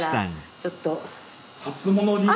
ちょっと。